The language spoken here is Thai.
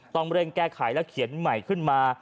ต้องเร่งแก้ไขแล้วเขียนใหม่ขึ้นมา